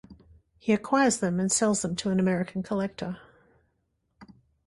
He acquires them and sells them to an American collector.